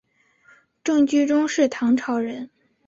郑居中是唐朝人。